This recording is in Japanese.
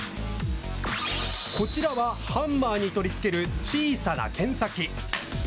こちらはハンマーに取り付ける小さな検査機。